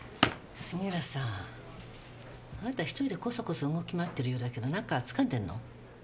杉浦さんあなた１人でこそこそ動き回ってるようだけど何かつかんでんの？